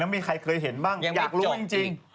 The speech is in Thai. ไม่จบจริง